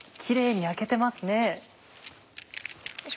キレイに焼けてますね。